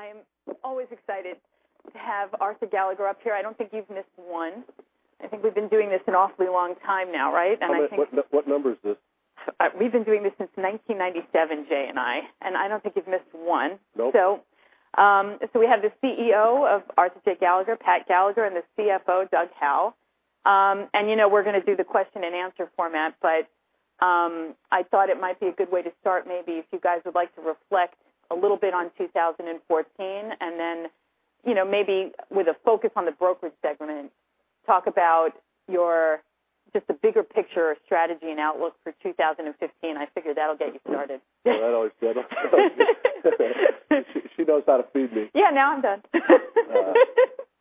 Session. As always, I am always excited to have Arthur Gallagher up here. I don't think you've missed one. I think we've been doing this an awfully long time now, right? What number is this? We've been doing this since 1997, Jay and I, and I don't think you've missed one. Nope. We have the CEO of Arthur J. Gallagher, Pat Gallagher, and the CFO, Doug Howell. We're going to do the question and answer format, but I thought it might be a good way to start, maybe if you guys would like to reflect a little bit on 2014, and then maybe with a focus on the brokerage segment, talk about just a bigger picture strategy and outlook for 2015. I figure that'll get you started. Well, that always does. She knows how to feed me. Yeah, now I'm done.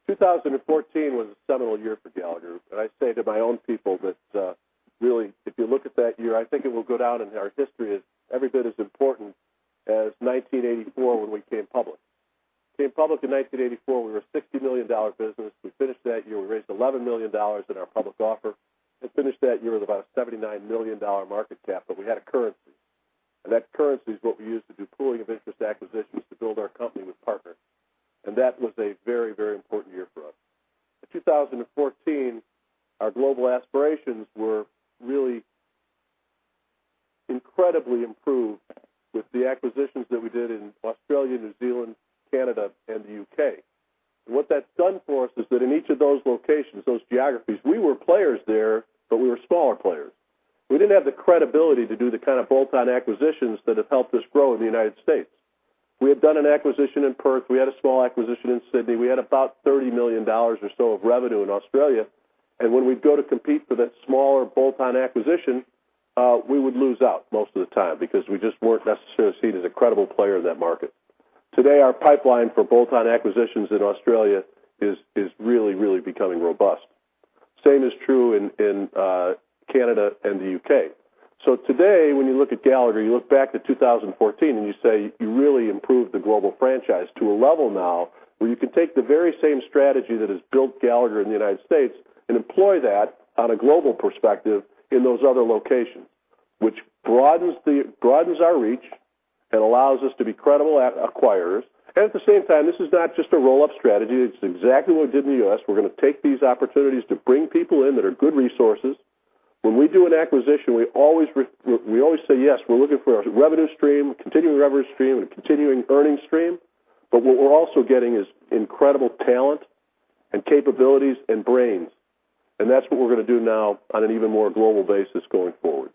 2014 was a seminal year for Gallagher. I say to my own people that really, if you look at that year, I think it will go down in our history as every bit as important as 1984 when we came public. Came public in 1984, we were a $60 million business. We finished that year, we raised $11 million in our public offer, and finished that year with about a $79 million market cap, but we had a currency. That currency is what we used to do pooling of interest acquisitions to build our company with partners. That was a very, very important year for us. In 2014, our global aspirations were really incredibly improved with the acquisitions that we did in Australia, New Zealand, Canada, and the U.K. What that's done for us is that in each of those locations, those geographies, we were players there, but we were smaller players. We didn't have the credibility to do the kind of bolt-on acquisitions that have helped us grow in the U.S. We had done an acquisition in Perth. We had a small acquisition in Sydney. We had about $30 million or so of revenue in Australia. When we'd go to compete for that smaller bolt-on acquisition, we would lose out most of the time because we just weren't necessarily seen as a credible player in that market. Today, our pipeline for bolt-on acquisitions in Australia is really, really becoming robust. Same is true in Canada and the U.K. Today, when you look at Gallagher, you look back to 2014, and you say you really improved the global franchise to a level now where you can take the very same strategy that has built Gallagher in the U.S. and employ that on a global perspective in those other locations, which broadens our reach and allows us to be credible acquirers. At the same time, this is not just a roll-up strategy. It's exactly what we did in the U.S. We're going to take these opportunities to bring people in that are good resources. When we do an acquisition, we always say, yes, we're looking for a revenue stream, continuing revenue stream, and a continuing earnings stream. What we're also getting is incredible talent and capabilities and brains, and that's what we're going to do now on an even more global basis going forward.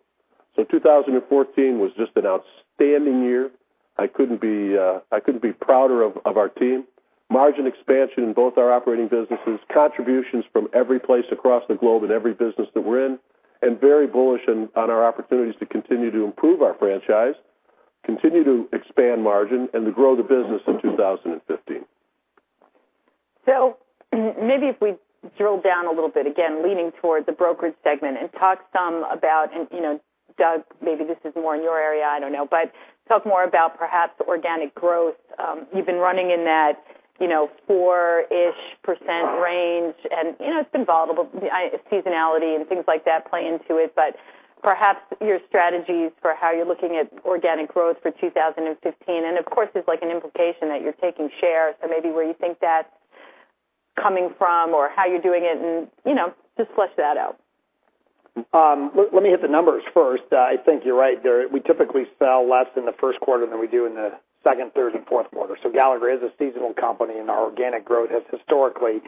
2014 was just an outstanding year. I couldn't be prouder of our team. Margin expansion in both our operating businesses, contributions from every place across the globe in every business that we're in, and very bullish on our opportunities to continue to improve our franchise, continue to expand margin, and to grow the business in 2015. Maybe if we drill down a little bit, again, leaning towards the brokerage segment, and talk some about, and Doug, maybe this is more in your area, I don't know. Talk more about perhaps organic growth. You've been running in that 4-ish% range, and it's been volatile, seasonality and things like that play into it. Perhaps your strategies for how you're looking at organic growth for 2015, and of course, there's an implication that you're taking shares. Maybe where you think that's coming from or how you're doing it, and just flesh that out. Let me hit the numbers first. I think you're right. We typically sell less in the first quarter than we do in the second, third, and fourth quarter. Gallagher is a seasonal company, and our organic growth has historically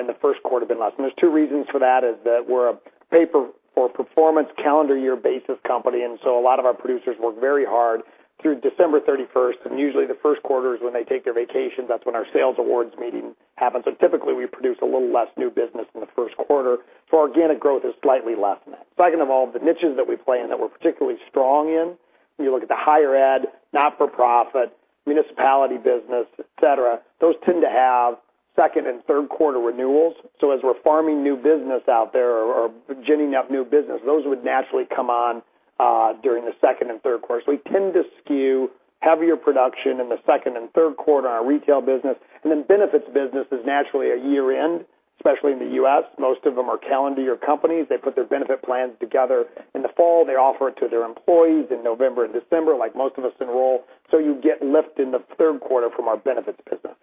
in the first quarter been less. There's two reasons for that, is that we're a pay-for-performance calendar year basis company, and so a lot of our producers work very hard through December 31st, and usually the first quarter is when they take their vacations. That's when our sales awards meeting happens. Typically, we produce a little less new business in the first quarter. Organic growth is slightly less than that. Second of all, the niches that we play in that we're particularly strong in, when you look at the higher ed, not-for-profit, municipality business, et cetera, those tend to have second and third quarter renewals. As we're farming new business out there or ginning up new business, those would naturally come on during the second and third quarters. We tend to skew heavier production in the second and third quarter on our retail business. Benefits business is naturally a year-end, especially in the U.S. Most of them are calendar year companies. They put their benefit plans together in the fall. They offer it to their employees in November and December, like most of us enroll. You get lift in the third quarter from our benefits business.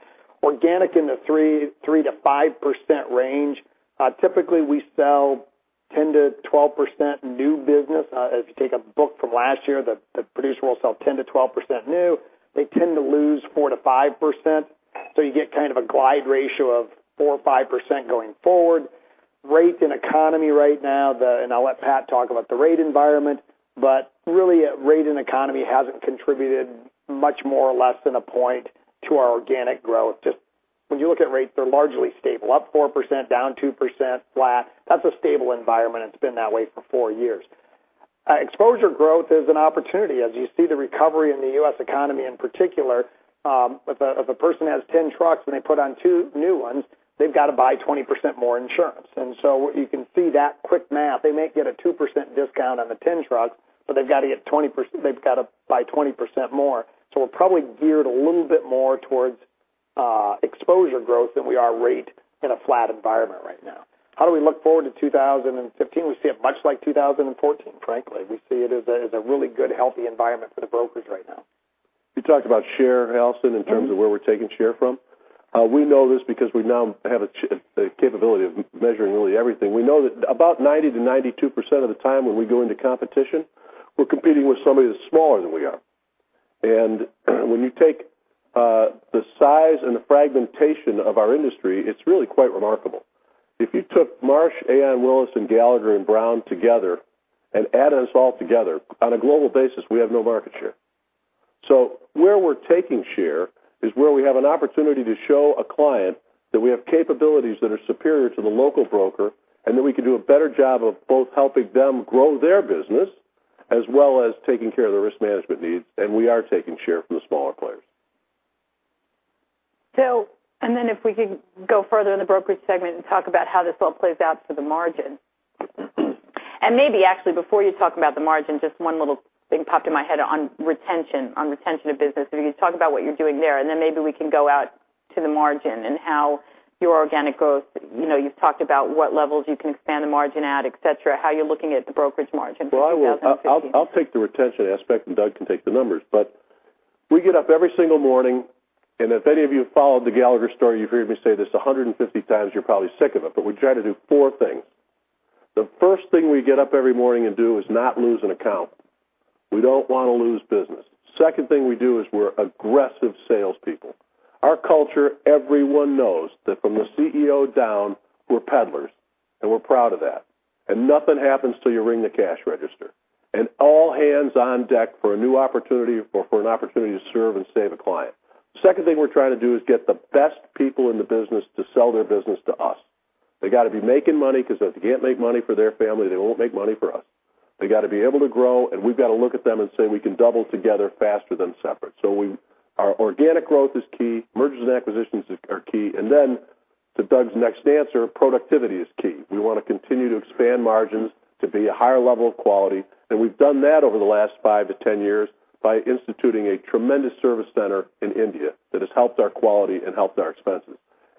Organic in the 3%-5% range. Typically, we sell 10%-12% new business. If you take a book from last year, the producer will sell 10%-12% new. They tend to lose 4%-5%. You get kind of a glide ratio of 4% or 5% going forward. Rates and economy right now, I'll let Pat talk about the rate environment, but really, rate and economy hasn't contributed much more or less than a point to our organic growth. Just when you look at rates, they're largely stable, up 4%, down 2%, flat. That's a stable environment, and it's been that way for four years. Exposure growth is an opportunity. As you see the recovery in the U.S. economy in particular, if a person has 10 trucks and they put on two new ones, they've got to buy 20% more insurance. You can see that quick math. They may get a 2% discount on the 10 trucks, but they've got to buy 20% more. We're probably geared a little bit more towards exposure growth than we are rate in a flat environment right now. How do we look forward to 2015? We see it much like 2014, frankly. We see it as a really good, healthy environment for the brokers right now. You talked about share, Alison, in terms of where we're taking share from. We know this because we now have the capability of measuring really everything. We know that about 90%-92% of the time when we go into competition, we're competing with somebody that's smaller than we are. When you take the size and the fragmentation of our industry, it's really quite remarkable. If you took Marsh, Aon, Willis and Gallagher and Brown together and add us all together, on a global basis, we have no market share. Where we're taking share is where we have an opportunity to show a client that we have capabilities that are superior to the local broker, and that we can do a better job of both helping them grow their business, as well as taking care of their risk management needs, and we are taking share from the smaller players. If we could go further in the brokerage segment and talk about how this all plays out for the margin. Maybe actually before you talk about the margin, just one little thing popped in my head on retention of business. If you could talk about what you're doing there, then maybe we can go out to the margin and how your organic growth, you've talked about what levels you can expand the margin at, et cetera, how you're looking at the brokerage margin for 2015. I'll take the retention aspect, and Doug can take the numbers. We get up every single morning, and if any of you have followed the Gallagher story, you've heard me say this 150 times, you're probably sick of it, but we try to do four things. The first thing we get up every morning and do is not lose an account. We don't want to lose business. Second thing we do is we're aggressive salespeople. Our culture, everyone knows that from the CEO down, we're peddlers, and we're proud of that, and nothing happens till you ring the cash register. All hands on deck for a new opportunity or for an opportunity to serve and save a client. Second thing we're trying to do is get the best people in the business to sell their business to us. They got to be making money because if they can't make money for their family, they won't make money for us. They got to be able to grow, and we've got to look at them and say, "We can double together faster than separate." Our organic growth is key, mergers and acquisitions are key, and then to Doug's next answer, productivity is key. We want to continue to expand margins to be a higher level of quality, and we've done that over the last five to 10 years by instituting a tremendous service center in India that has helped our quality and helped our expenses.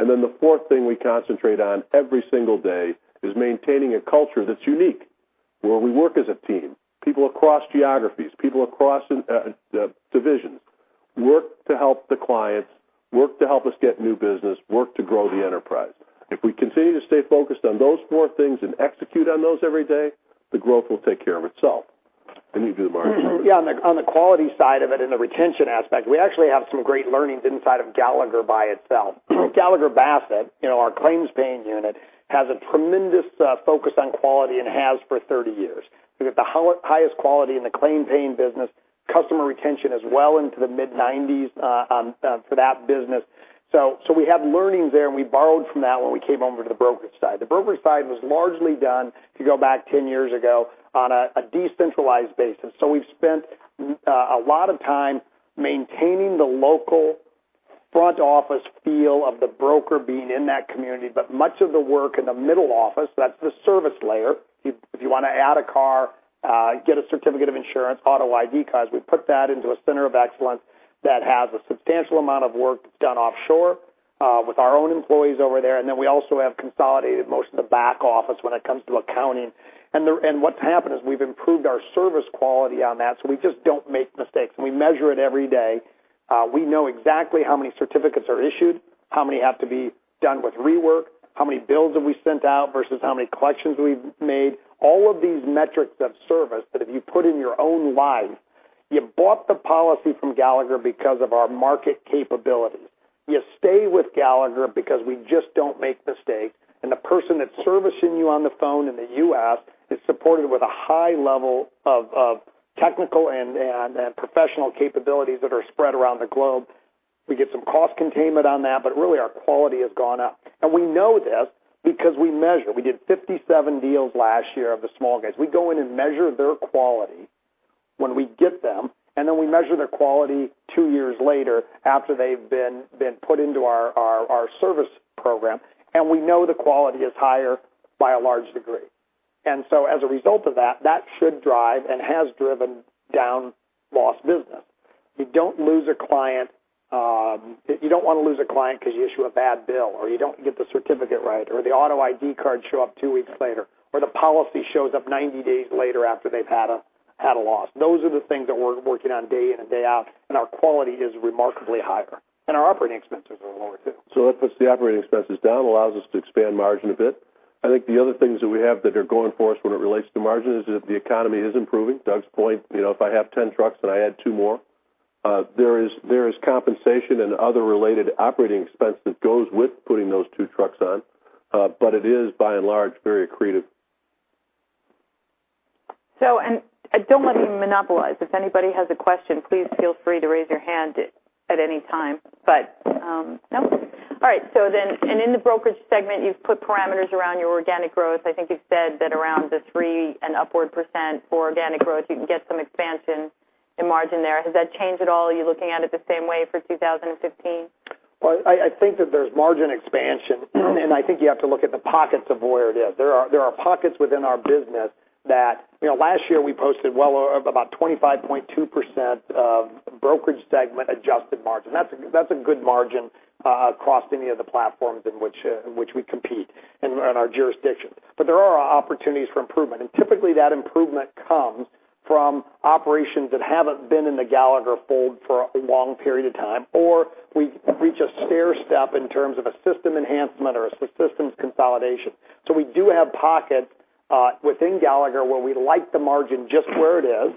The fourth thing we concentrate on every single day is maintaining a culture that's unique, where we work as a team. People across geographies, people across divisions work to help the clients, work to help us get new business, work to grow the enterprise. If we continue to stay focused on those four things and execute on those every day, the growth will take care of itself. You do the margin numbers. Yeah, on the quality side of it and the retention aspect, we actually have some great learnings inside of Gallagher by itself. Gallagher Bassett, our claims paying unit, has a tremendous focus on quality and has for 30 years. We've got the highest quality in the claim paying business, customer retention is well into the mid-90s for that business. We have learnings there, we borrowed from that when we came over to the brokerage side. The brokerage side was largely done, if you go back 10 years ago, on a decentralized basis. We've spent a lot of time maintaining the local front office feel of the broker being in that community, but much of the work in the middle office, that's the service layer, if you want to add a car, get a certificate of insurance, auto ID cards, we put that into a Center of Excellence that has a substantial amount of work done offshore with our own employees over there. Then we also have consolidated most of the back office when it comes to accounting. What's happened is we've improved our service quality on that, so we just don't make mistakes, and we measure it every day. We know exactly how many certificates are issued, how many have to be done with rework, how many bills have we sent out versus how many collections we've made, all of these metrics of service that if you put in your own life, you bought the policy from Gallagher because of our market capabilities. You stay with Gallagher because we just don't make mistakes, and the person that's servicing you on the phone in the U.S. is supported with a high level of technical and professional capabilities that are spread around the globe. We get some cost containment on that, but really our quality has gone up. We know this because we measure. We did 57 deals last year of the small guys. We go in and measure their quality when we get them, then we measure their quality 2 years later after they've been put into our service program, and we know the quality is higher by a large degree. As a result of that should drive and has driven down lost business. You don't want to lose a client because you issue a bad bill, or you don't get the certificate right, or the auto ID card show up 2 weeks later, or the policy shows up 90 days later after they've had a loss. Those are the things that we're working on day in and day out, and our quality is remarkably higher, and our operating expenses are lower, too. That puts the operating expenses down, allows us to expand margin a bit. I think the other things that we have that are going for us when it relates to margin is that the economy is improving. Doug's point, if I have 10 trucks and I add two more, there is compensation and other related operating expense that goes with putting those two trucks on. It is by and large, very accretive. Don't let me monopolize. If anybody has a question, please feel free to raise your hand at any time. No? All right. In the brokerage segment, you've put parameters around your organic growth. I think you've said that around the 3% and upward for organic growth, you can get some expansion in margin there. Has that changed at all? Are you looking at it the same way for 2015? Well, I think that there's margin expansion, and I think you have to look at the pockets of where it is. There are pockets within our business that last year we posted well over about 25.2% of the brokerage segment adjusted margin. That's a good margin across any of the platforms in which we compete in our jurisdiction. There are opportunities for improvement, and typically that improvement comes from operations that haven't been in the Gallagher fold for a long period of time, or we reach a stairstep in terms of a system enhancement or a systems consolidation. We do have pockets within Gallagher where we like the margin just where it is,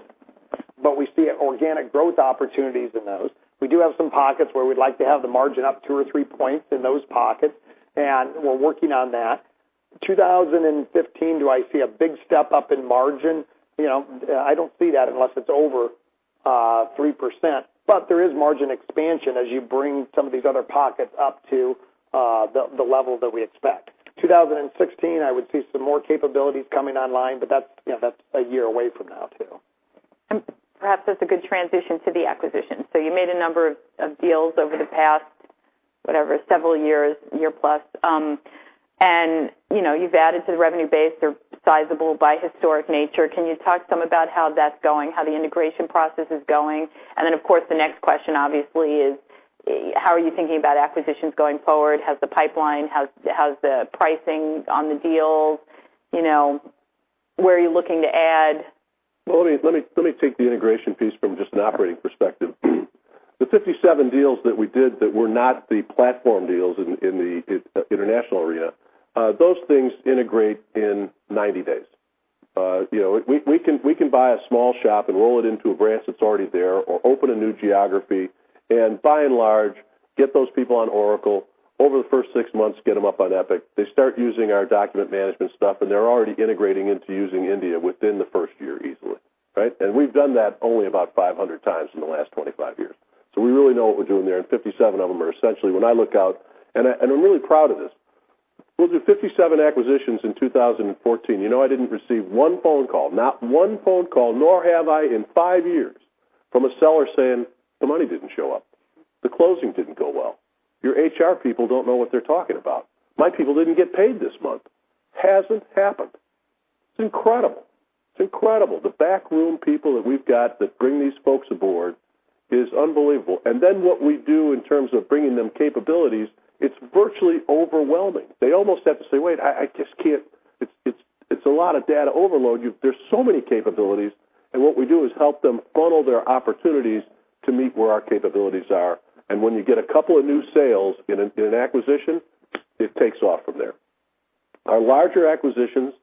but we see organic growth opportunities in those. We do have some pockets where we'd like to have the margin up two or three points in those pockets, and we're working on that. 2015, do I see a big step-up in margin? I don't see that unless it's over 3%. There is margin expansion as you bring some of these other pockets up to the level that we expect. 2016, I would see some more capabilities coming online, that's a year away from now, too. Perhaps that's a good transition to the acquisition. You made a number of deals over the past, whatever, several years, year plus. You've added to the revenue base. They're sizable by historic nature. Can you talk some about how that's going, how the integration process is going? Then, of course, the next question obviously is, how are you thinking about acquisitions going forward? How's the pipeline? How's the pricing on the deals? Where are you looking to add? Well, let me take the integration piece from just an operating perspective. The 57 deals that we did that were not the platform deals in the international arena, those things integrate in 90 days. We can buy a small shop and roll it into a branch that's already there or open a new geography and by and large, get those people on Oracle. Over the first six months, get them up on Epic. They start using our document management stuff, they're already integrating into using India within the first year easily, right? We've done that only about 500 times in the last 25 years. We really know what we're doing there, and 57 of them are essentially, when I look out, and I'm really proud of this. We'll do 57 acquisitions in 2014. You know, I didn't receive one phone call, not one phone call, nor have I in five years, from a seller saying, "The money didn't show up. The closing didn't go well. Your HR people don't know what they're talking about. My people didn't get paid this month." Hasn't happened. It's incredible. It's incredible. The backroom people that we've got that bring these folks aboard is unbelievable. Then what we do in terms of bringing them capabilities, it's virtually overwhelming. They almost have to say, "Wait, I just can't." It's a lot of data overload. There's so many capabilities, what we do is help them funnel their opportunities to meet where our capabilities are. When you get a couple of new sales in an acquisition, it takes off from there. Our larger acquisitions,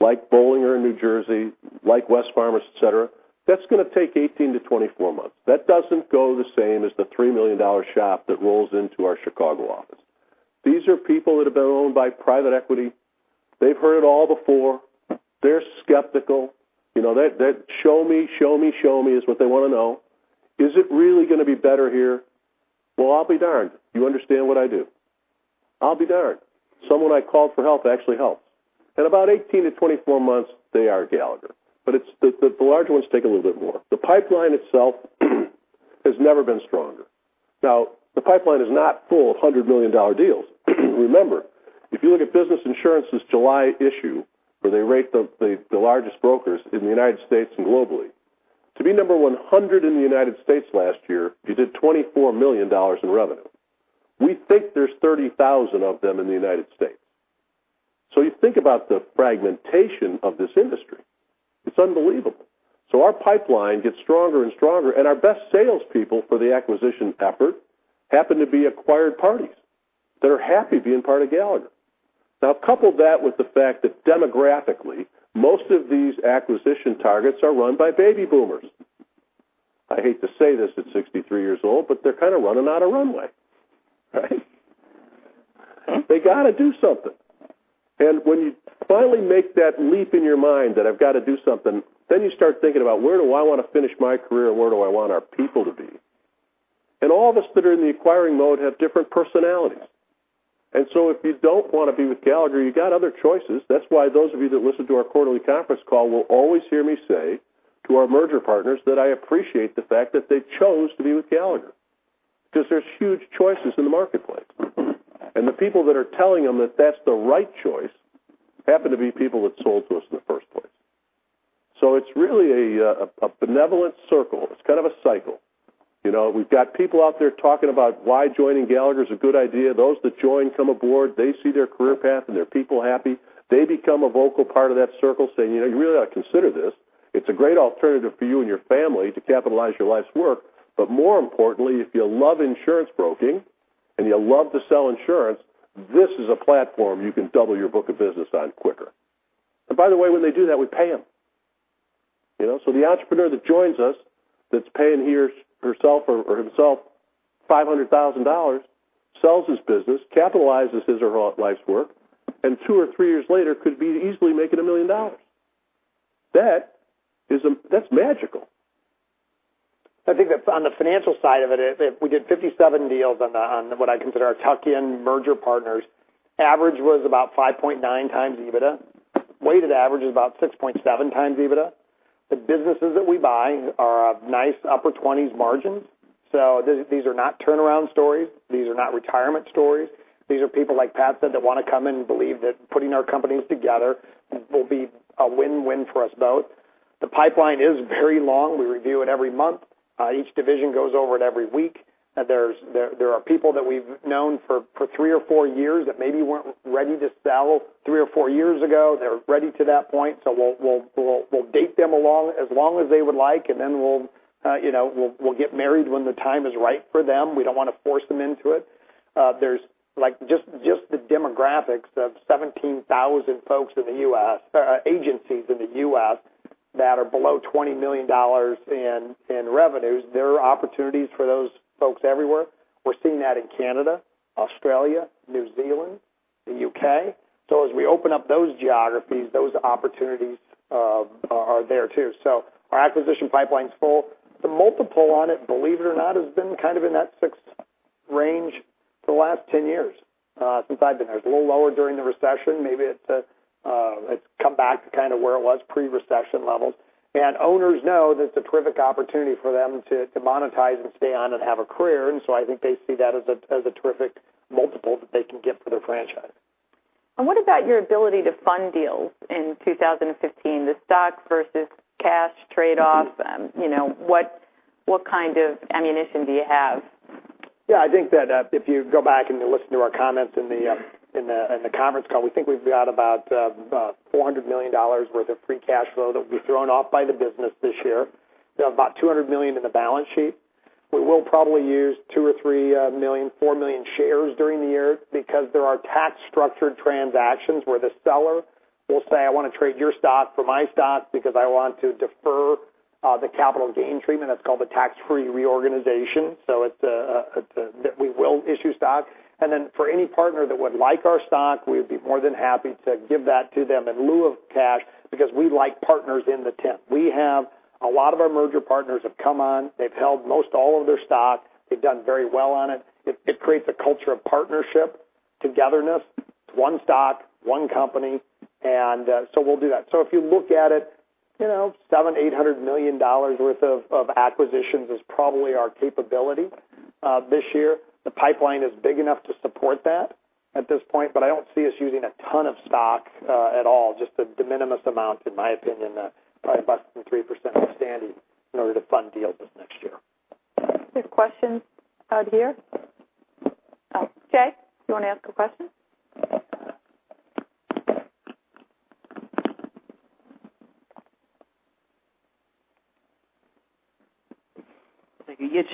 like Bollinger in New Jersey, like Wesfarmers, et cetera, that's going to take 18 to 24 months. That doesn't go the same as the $3 million shop that rolls into our Chicago office. These are people that have been owned by private equity. They've heard it all before. They're skeptical. That show me, show me, show me is what they want to know. Is it really going to be better here? Well, I'll be darned. You understand what I do. I'll be darned. Someone I called for help actually helps. At about 18 to 24 months, they are Gallagher. The larger ones take a little bit more. The pipeline itself has never been stronger. The pipeline is not full of $100 million deals. Remember, if you look at Business Insurance's July issue, where they rate the largest brokers in the U.S. and globally, to be number 100 in the U.S. last year, you did $24 million in revenue. We think there's 30,000 of them in the U.S. You think about the fragmentation of this industry. It's unbelievable. Our pipeline gets stronger and stronger, and our best salespeople for the acquisition effort happen to be acquired parties that are happy being part of Gallagher. Couple that with the fact that demographically, most of these acquisition targets are run by baby boomers. I hate to say this at 63 years old, they're kind of running out of runway, right? They got to do something. When you finally make that leap in your mind that I've got to do something, then you start thinking about where do I want to finish my career and where do I want our people to be? All of us that are in the acquiring mode have different personalities. If you don't want to be with Gallagher, you got other choices. That's why those of you that listen to our quarterly conference call will always hear me say to our merger partners that I appreciate the fact that they chose to be with Gallagher, because there's huge choices in the marketplace. The people that are telling them that that's the right choice happen to be people that sold to us in the first place. It's really a benevolent circle. It's kind of a cycle. We've got people out there talking about why joining Gallagher is a good idea. Those that join come aboard, they see their career path and their people happy. They become a vocal part of that circle saying, "You really ought to consider this. It's a great alternative for you and your family to capitalize your life's work. More importantly, if you love insurance broking and you love to sell insurance, this is a platform you can double your book of business on quicker." By the way, when they do that, we pay them. The entrepreneur that joins us, that's paying he or herself or himself $500,000, sells his business, capitalizes his or her life's work, and two or three years later, could be easily making $1 million. That's magical. I think that on the financial side of it, if we did 57 deals on what I consider our tuck-in merger partners, average was about 5.9x EBITDA. Weighted average is about 6.7x EBITDA. The businesses that we buy are of nice upper 20s margins. These are not turnaround stories. These are not retirement stories. These are people, like Pat said, that want to come in and believe that putting our companies together will be a win-win for us both. The pipeline is very long. We review it every month. Each division goes over it every week. There are people that we've known for three or four years that maybe weren't ready to sell three or four years ago. They're ready to that point, so we'll date them as long as they would like, and then we'll get married when the time is right for them. We don't want to force them into it. Just the demographics of 17,000 folks in the U.S., or agencies in the U.S. that are below $20 million in revenues, there are opportunities for those folks everywhere. We're seeing that in Canada, Australia, New Zealand, the U.K. As we open up those geographies, those opportunities are there too. Our acquisition pipeline's full. The multiple on it, believe it or not, has been kind of in that six range for the last 10 years, since I've been here. It was a little lower during the recession. Maybe it's come back to kind of where it was pre-recession levels. Owners know that it's a terrific opportunity for them to monetize and stay on and have a career, and so I think they see that as a terrific multiple that they can get for their franchise. What about your ability to fund deals in 2015, the stock versus cash trade-off? What kind of ammunition do you have? Yeah, I think that if you go back and listen to our comments in the conference call, we think we've got about $400 million worth of free cash flow that will be thrown off by the business this year. We have about $200 million in the balance sheet. We will probably use two or three million, four million shares during the year because there are tax-structured transactions where the seller will say, "I want to trade your stock for my stock because I want to defer the capital gain treatment." That's called the tax-free reorganization. We will issue stock. Then for any partner that would like our stock, we would be more than happy to give that to them in lieu of cash because we like partners in the tent. A lot of our merger partners have come on. They've held most all of their stock. They've done very well on it. It creates a culture of partnership, togetherness, one stock, one company. We'll do that. If you look at it, $700 million-$800 million worth of acquisitions is probably our capability this year. The pipeline is big enough to support that at this point, I don't see us using a ton of stock at all, just the de minimis amount, in my opinion, probably less than 3% outstanding in order to fund deals this next year. There's questions out here. Jay, do you want to ask a question?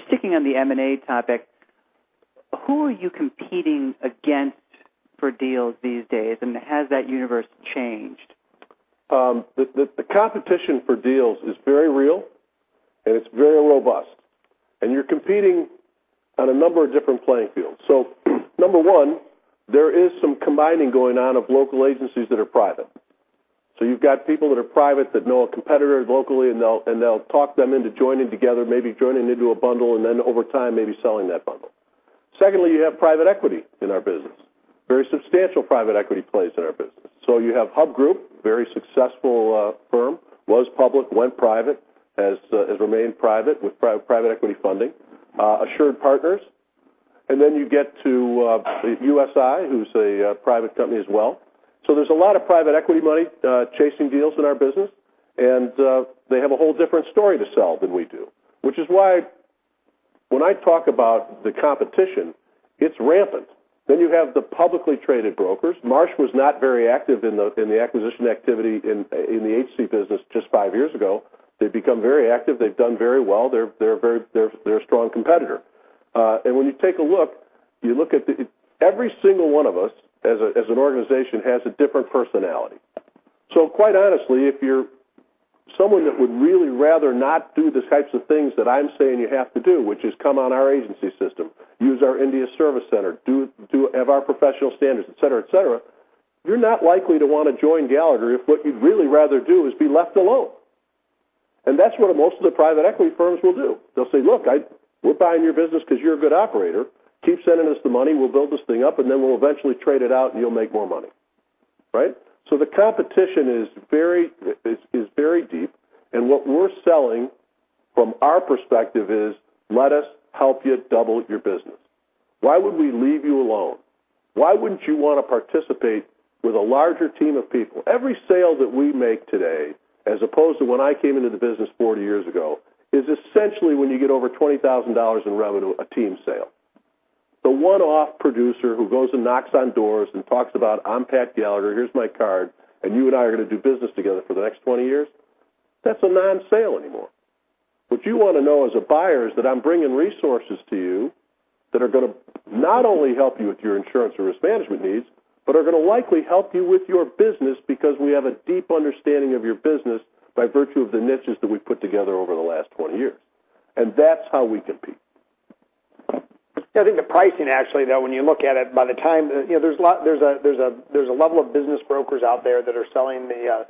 Sticking on the M&A topic, who are you competing against for deals these days? Has that universe changed? The competition for deals is very real, it's very robust, you're competing on a number of different playing fields. Number one, there is some combining going on of local agencies that are private. You've got people that are private that know a competitor locally, they'll talk them into joining together, maybe joining into a bundle, over time, maybe selling that bundle. Secondly, you have private equity in our business, very substantial private equity plays in our business. You have Hub International, very successful firm, was public, went private, has remained private with private equity funding. AssuredPartners, you get to USI, who's a private company as well. There's a lot of private equity money chasing deals in our business, and they have a whole different story to sell than we do, which is why when I talk about the competition, it's rampant. You have the publicly traded brokers. Marsh was not very active in the acquisition activity in the HC business just five years ago. They've become very active. They've done very well. They're a strong competitor. When you take a look, every single one of us as an organization has a different personality. Quite honestly, if you're someone that would really rather not do the types of things that I'm saying you have to do, which is come on our agency system, use our India service center, have our professional standards, et cetera. You're not likely to want to join Gallagher if what you'd really rather do is be left alone. That's what most of the private equity firms will do. They'll say, "Look, we're buying your business because you're a good operator. Keep sending us the money. We'll build this thing up, and then we'll eventually trade it out, and you'll make more money." Right? The competition is very deep, and what we're selling from our perspective is, let us help you double your business. Why would we leave you alone? Why wouldn't you want to participate with a larger team of people? Every sale that we make today, as opposed to when I came into the business 40 years ago, is essentially when you get over $20,000 in revenue, a team sale. The one-off producer who goes and knocks on doors and talks about, "I'm Pat Gallagher, here's my card, and you and I are going to do business together for the next 20 years," that's a non-sale anymore. What you want to know as a buyer is that I'm bringing resources to you that are going to not only help you with your insurance or risk management needs, but are going to likely help you with your business because we have a deep understanding of your business by virtue of the niches that we've put together over the last 20 years. That's how we compete. I think the pricing actually, though, when you look at it, there's a level of business brokers out there that are selling the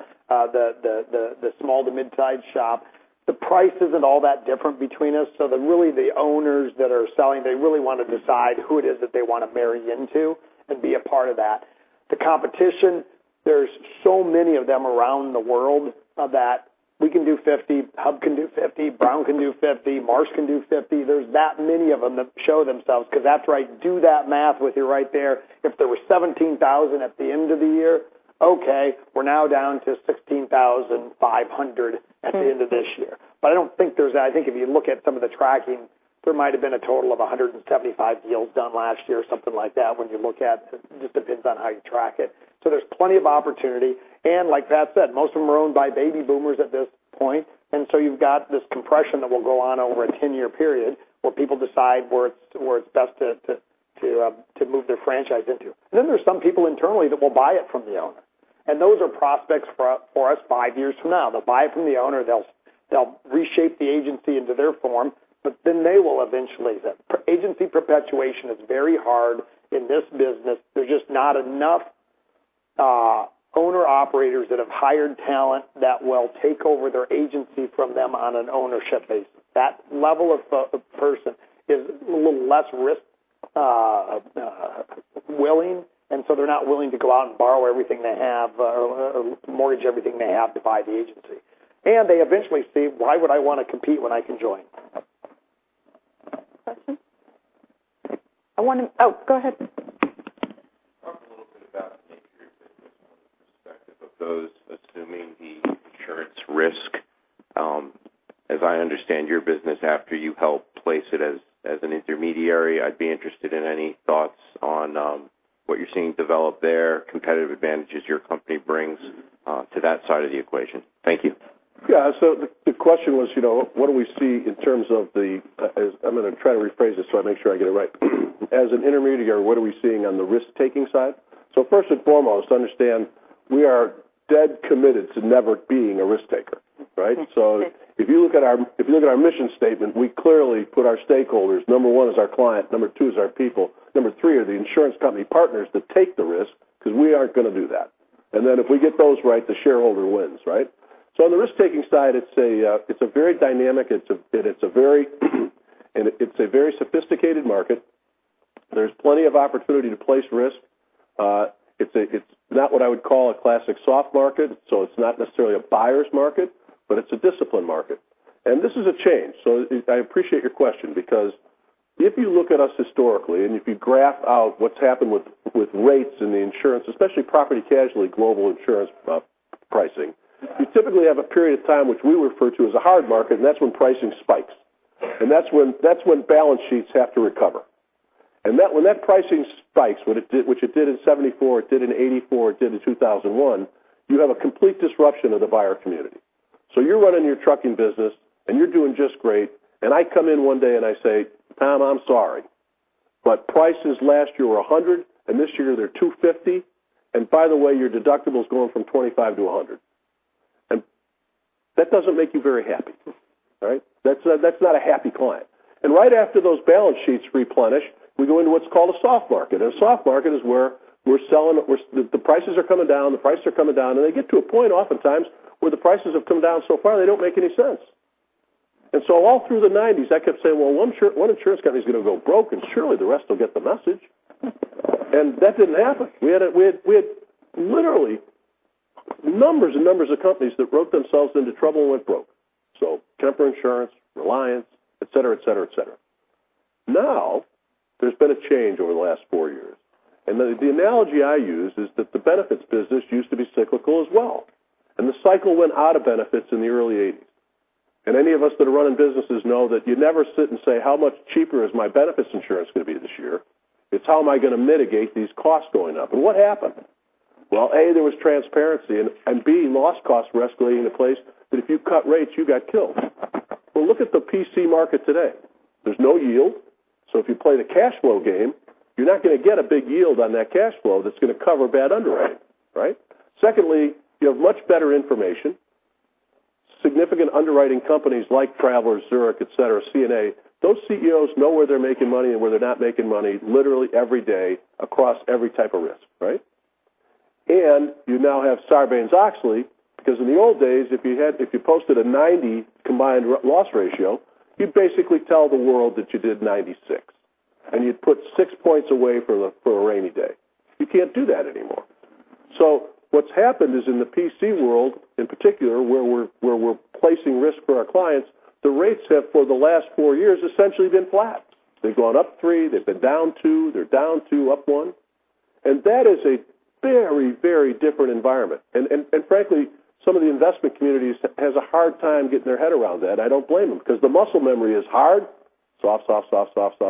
small to midsize shop. The price isn't all that different between us, so really the owners that are selling, they really want to decide who it is that they want to marry into and be a part of that. The competition. There's so many of them around the world that we can do 50, Hub can do 50, Brown can do 50, Marsh can do 50. There's that many of them that show themselves, because that's right, do that math with you right there. If there were 17,000 at the end of the year, okay, we're now down to 16,500 at the end of this year. I think if you look at some of the tracking, there might have been a total of 175 deals done last year, something like that when you look at, it just depends on how you track it. There's plenty of opportunity. Like Pat said, most of them are owned by baby boomers at this point. You've got this compression that will go on over a 10-year period where people decide where it's best to move their franchise into. There's some people internally that will buy it from the owner. Those are prospects for us five years from now. They'll buy it from the owner, they'll reshape the agency into their form. Agency perpetuation is very hard in this business. There's just not enough owner-operators that have hired talent that will take over their agency from them on an ownership basis. That level of person is a little less risk willing, so they're not willing to go out and borrow everything they have or mortgage everything they have to buy the agency. They eventually see, why would I want to compete when I can join? Question? Oh, go ahead. Talk a little bit about the nature of the business from the perspective of those assuming the insurance risk. As I understand your business, after you help place it as an intermediary, I'd be interested in any thoughts on what you're seeing develop there, competitive advantages your company brings to that side of the equation. Thank you. The question was, what do we see in terms of the, I'm going to try to rephrase this so I make sure I get it right. As an intermediary, what are we seeing on the risk-taking side? First and foremost, understand we are dead committed to never being a risk-taker. Right? If you look at our mission statement, we clearly put our stakeholders, number 1 is our client, number 2 is our people, number 3 are the insurance company partners that take the risk, because we aren't going to do that. Then if we get those right, the shareholder wins, right? On the risk-taking side, it's a very dynamic, and it's a very sophisticated market. There's plenty of opportunity to place risk. It's not what I would call a classic soft market, so it's not necessarily a buyer's market, but it's a disciplined market. This is a change. I appreciate your question because if you look at us historically, if you graph out what's happened with rates and the insurance, especially property casualty, global insurance pricing, you typically have a period of time which we refer to as a hard market, that's when pricing spikes. That's when balance sheets have to recover. When that pricing spikes, which it did in 1974, it did in 1984, it did in 2001, you have a complete disruption of the buyer community. You're running your trucking business, you're doing just great, I come in one day, I say, "Tom, I'm sorry, but prices last year were $100, this year they're $250. By the way, your deductible's going from $25 to $100." That doesn't make you very happy. Right? That's not a happy client. Right after those balance sheets replenish, we go into what's called a soft market. A soft market is where we're selling, the prices are coming down, they get to a point oftentimes where the prices have come down so far, they don't make any sense. All through the 1990s, I kept saying, "One insurance company's going to go broke, surely the rest will get the message." That didn't happen. We had literally numbers and numbers of companies that wrote themselves into trouble and went broke. Kemper Insurance, Reliance, et cetera. There's been a change over the last four years. The analogy I use is that the benefits business used to be cyclical as well. The cycle went out of benefits in the early 1980s. Any of us that are running businesses know that you never sit and say, "How much cheaper is my benefits insurance going to be this year?" It's how am I going to mitigate these costs going up? What happened? A, there was transparency, B, loss costs were escalating to place that if you cut rates, you got killed. Look at the PC market today. There's no yield. If you play the cash flow game, you're not going to get a big yield on that cash flow that's going to cover bad underwriting, right? Secondly, you have much better information. Significant underwriting companies like Travelers, Zurich, et cetera, CNA, those CEOs know where they're making money and where they're not making money literally every day across every type of risk, right? You now have Sarbanes-Oxley, because in the old days, if you posted a 90% combined loss ratio, you'd basically tell the world that you did 96%, and you'd put six points away for a rainy day. You can't do that anymore. What's happened is in the PC world, in particular, where we're placing risk for our clients, the rates have, for the last four years, essentially been flat. They've gone up three, they've been down two, they're down two, up one. That is a very, very different environment. Frankly, some of the investment communities has a hard time getting their head around that. I don't blame them because the muscle memory is hard, soft.